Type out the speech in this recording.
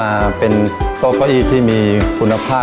และวันนี้โรงเรียนไทรรัฐวิทยา๖๐จังหวัดพิจิตรครับ